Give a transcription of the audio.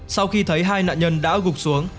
sau khi thấy hai nạn nhân đã gục xuống